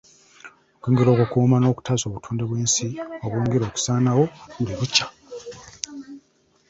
Okwongera okukuuma n’okutaasa obutonde bw’ensi obwongera okusaanawo buli lukya.